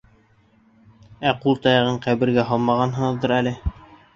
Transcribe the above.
Ә ҡул таяғын ҡәбергә һалмағанһығыҙҙыр әле?